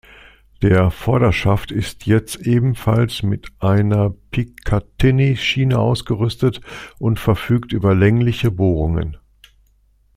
Der Vorderschaft ist jetzt ebenfalls mit einer Picatinny-Schiene ausgerüstet und verfügt über längliche Bohrungen.